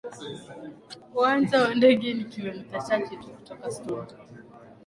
Uwanja wa ndege ni kilomita chache tu kutoka Stone Town